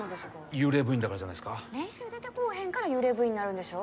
幽霊部員だからじゃないですか練習出てこうへんから幽霊部員になるんでしょ